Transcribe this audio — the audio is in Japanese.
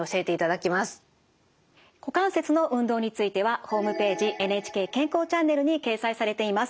股関節の運動についてはホームページ「ＮＨＫ健康チャンネル」に掲載されています。